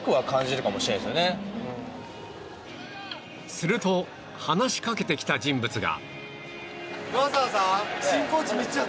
すると話しかけてきた人物が。